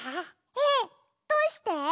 えっどうして？